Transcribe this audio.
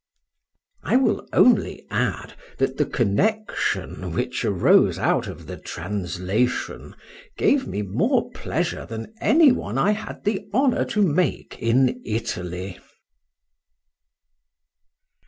I will only add, that the connexion which arose out of the translation gave me more pleasure than any one I had the honour to make in Italy.